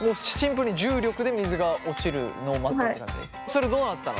それどうなったの？